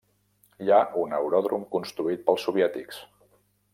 Hi ha un aeròdrom construït pels soviètics.